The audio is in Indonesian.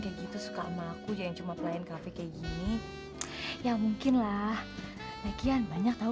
lagi tuh suka sama aku jangan cuma pelayan kafe kayak gini ya mungkinlah bagian banyak tahu